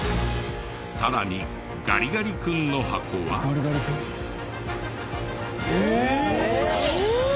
さらにガリガリ君の箱は。えっ！